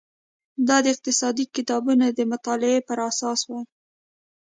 دا د اقتصادي کتابونو د مطالعې پر اساس وای.